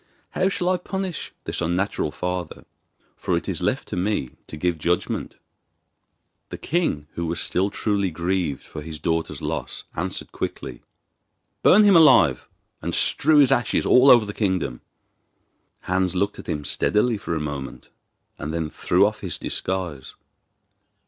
How shall I punish this unnatural father, for it is left to me to give judgment?' The king, who was still truly grieved for his daughter's loss, answered quickly: 'Burn him alive, and strew his ashes all over the kingdom.' Hans looked at him steadily for a moment, and then threw off his disguise.